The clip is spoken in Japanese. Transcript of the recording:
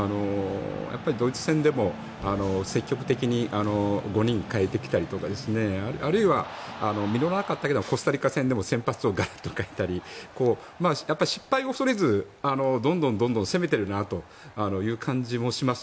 ドイツ戦でも積極的に５人を代えてきたりとかあるいは実らなかったけどコスタリカ戦でも先発をガラッと代えたり失敗を恐れずどんどん攻めているなという感じもします。